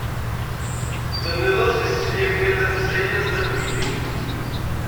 Tennid-as i Setti Lyamina n At Ḥsayen anda-t weydi.